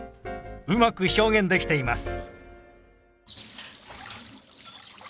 うまく表現できています。